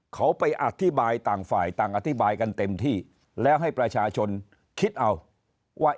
เขาไปอธิบายต่างฝ่ายต่างอธิบายกันเต็มที่แล้วให้ประชาชนคิดเอาว่า